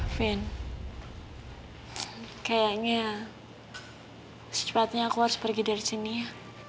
kayaknya secepatnya aku harus pergi dari sini ya